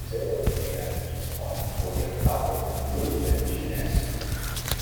Va ser la primera Miss Món oriental d'origen xinès.